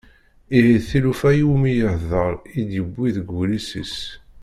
Ihi d tilufa iwumi yeḥḍer i d-yewwi deg wullis-is.